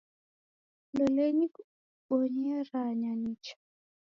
Lolenyi kubonyeranya nicha